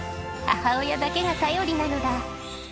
母親だけが頼りなのだ。